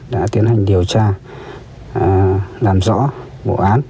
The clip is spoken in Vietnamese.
đã tiến hành điều tra làm rõ bộ án